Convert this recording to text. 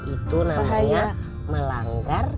itu namanya melanggar